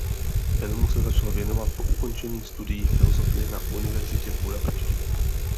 Filmu se začal věnovat po ukončení studií filozofie na universitě v Budapešti.